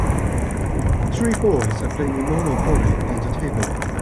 Three boys are playing Monopoly on the table.